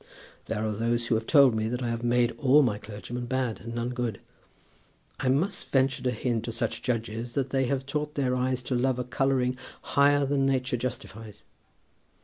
There are those who have told me that I have made all my clergymen bad, and none good. I must venture to hint to such judges that they have taught their eyes to love a colouring higher than nature justifies.